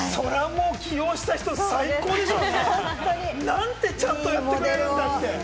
起用した人、最高でしょうね。なんてちゃんとやってくれるんだ！って。